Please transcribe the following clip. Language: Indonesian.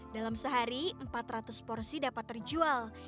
dalam sehari empat ratus porsi dapat terjual